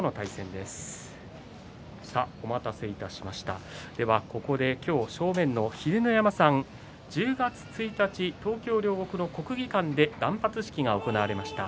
ではここで正面の秀ノ山さん１０月１日、両国の国技館で断髪式が行われました